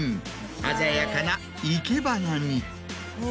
鮮やかな生け花に。